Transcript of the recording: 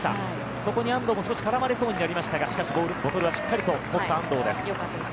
そこに安藤が絡まれそうになりましたがボトルはしっかりとった安藤です。